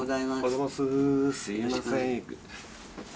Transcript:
すみません。